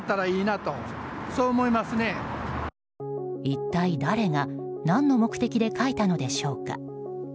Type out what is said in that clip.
一体、誰が何の目的で書いたのでしょうか。